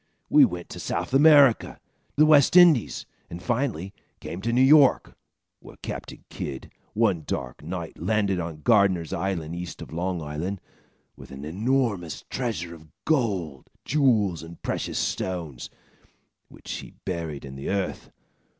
We went to South America, the West Indies, and finally came to New York, where Captain Kidd, one dark night, landed on Gardiner's Island, east of Long Island, with an enormous treasure of gold, jewels and precious stones, which he buried in the earth.